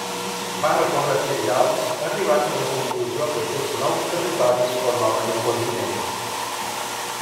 Va recórrer aquests llocs, arribant a la conclusió que aquests nous territoris formaven un continent.